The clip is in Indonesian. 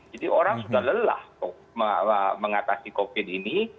jadi orang sudah lelah mengatasi covid ini